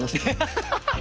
ハハハハハ！